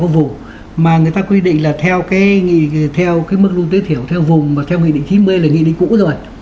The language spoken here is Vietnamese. vì định là theo cái mức lương tối thiểu theo vùng mà theo nghị định chín mươi là nghị định cũ rồi